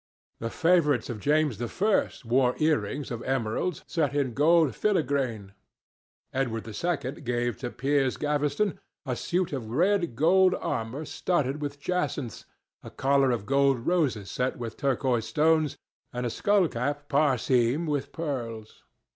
The favourites of James I wore ear rings of emeralds set in gold filigrane. Edward II gave to Piers Gaveston a suit of red gold armour studded with jacinths, a collar of gold roses set with turquoise stones, and a skull cap parsemé with pearls.